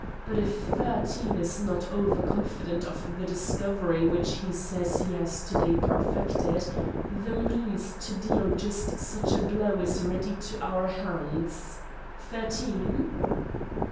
But if Thirteen is not over confident of the discovery which he says he has to day perfected, the means to deal just such a blow is ready to our hands.... Thirteen?"